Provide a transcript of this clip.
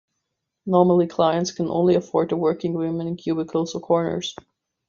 Normally, clients can only afford the working women in cubicles or corners.